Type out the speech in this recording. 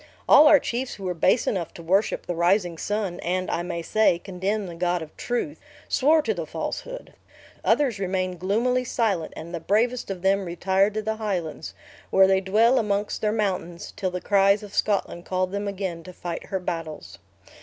All our chiefs who were base enough to worship the rising sun, and, I may say, condemn the God of truth, swore to the falsehood. Others remained gloomily silent; and the bravest of them retired to the Highlands, where they dwell amongst their mountains, till the cries of Scotland called them again to fight her battles.